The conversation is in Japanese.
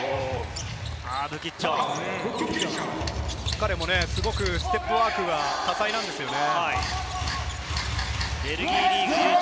彼もステップワークが多彩なんですよね。